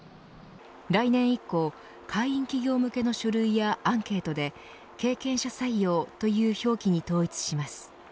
来年以降、会員企業向けの書類やアンケートで経験者採用という表記に統一します。